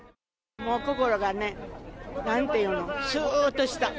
もう心がね、なんていうの、すーっとした。